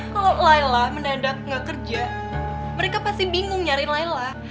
kalau layla mendadak nggak kerja mereka pasti bingung nyari layla